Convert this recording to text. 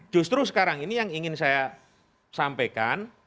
justru sekarang ini yang ingin saya sampaikan